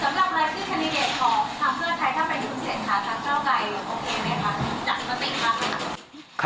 ทำเพื่อไทยถ้าไปยุ่งเสร็จค่ะ